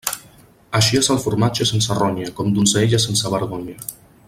Així és el formatge sense ronya, com donzella sense vergonya.